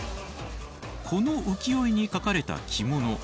この浮世絵に描かれた着物。